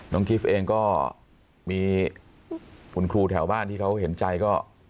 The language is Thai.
กิฟต์เองก็มีคุณครูแถวบ้านที่เขาเห็นใจก็